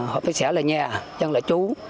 học viện xã là nhà chân là chú